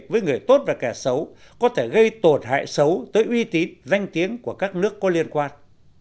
với người tốt và kẻ xấu có thể gây tổn hại xấu tới uy tín danh tiếng của các nước có liên quan